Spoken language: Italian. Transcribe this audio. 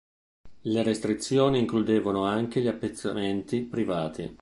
Le restrizioni includevano anche gli appezzamenti privati.